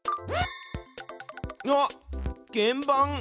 あっけんばん！